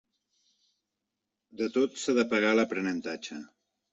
De tot s'ha de pagar l'aprenentatge.